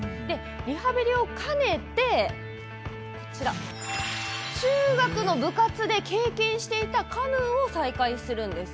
リハビリを兼ねて中学の部活で経験していたカヌーを再開するんです。